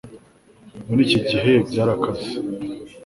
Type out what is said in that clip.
muri iki gihe byarakaze